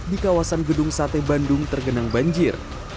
di kawasan gedung sate bandung tergenang banjir